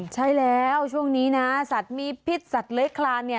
ใช่แล้วช่วงนี้นะสัตว์มีพิษสัตว์เล้ยคลานเนี่ย